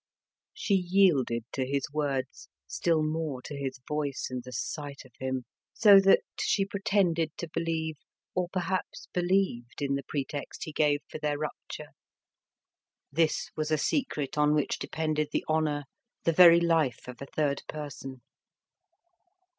She yielded to his words, still more to his voice and the sight of him, so that, she pretended to believe, or perhaps believed; in the pretext he gave for their rupture; this was a secret on which depended the honour, the very life of a third person.